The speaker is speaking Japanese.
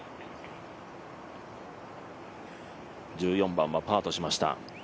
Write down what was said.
１４番はパーとしました。